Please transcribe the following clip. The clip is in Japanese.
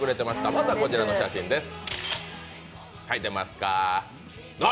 まずはこちらの写真です。